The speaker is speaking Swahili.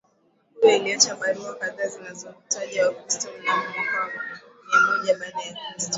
huyu aliacha barua kadhaa zinazotaja Wakristo mnamo mwaka miamoja baada ya kristo